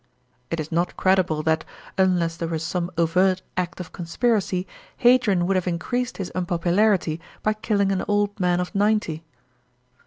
It is not credible that, unless there were some overt act of conspiracy, Hadrian would have increased his unpopularity by killing an old man of ninety.